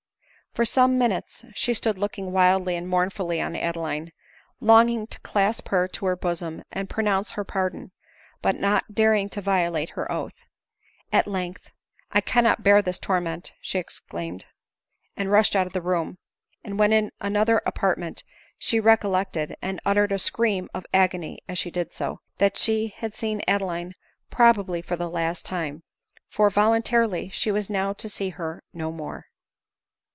For some minutes she stood looking wildly and mournfully on Adeline, longing to clasp her to her bosom, and pronounce her pardon, but not daring to violate her oath. At length, "I cannot bear this torment," she ex claimed, and rushed out of the room ; and when in ano ther apartment, she recollected, and uttered a scream of agony as she did so, that she had seen Adeline probably 1 128 ADELINE MOWBRAY. for the last time ; for, voluntarily, she was now to see her no more.